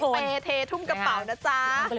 เป็นสายเปรย์เททุ่มกระเป๋านะจ๊ะ